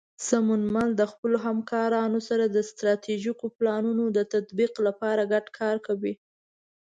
سمونمل د خپلو همکارانو سره د ستراتیژیکو پلانونو د تطبیق لپاره ګډ کار کوي.